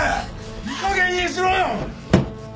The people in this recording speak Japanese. いい加減にしろよ！